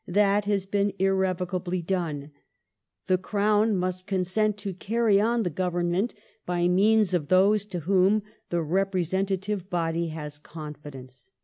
That has been irrevocably done ... the Crown must consent to carry on the Government by means of those in whom the representative body has confidence."